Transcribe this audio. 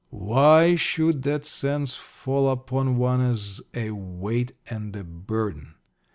Why should that sense fall upon one as a weight and a burden?